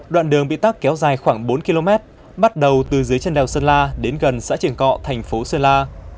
đoạn đường bị tắc kéo dài khoảng bốn km bắt đầu từ dưới chân đèo sơn la đến gần xã triển cọ thành phố sơn la